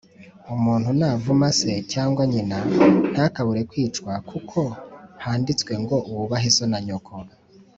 Umuntu navuma se cyangwa nyina ntakabure kwicwa kuko handitswe ngo wubahe so na nyoko.